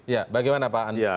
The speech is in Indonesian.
ya bagaimana pak andi